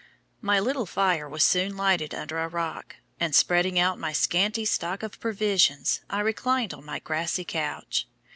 My little fire was soon lighted under a rock, and, spreading out my scanty stock of provisions, I reclined on my grassy couch.